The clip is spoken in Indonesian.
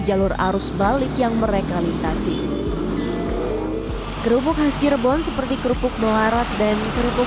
jalur arus balik yang merekalitasi kerupuk khas cirebon seperti kerupuk melarat dan tergulung